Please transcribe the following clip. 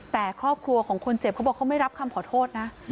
แต่ครอบครัวของคนเจ็บเขาบอกเขาไม่รับคำขอโทษนะ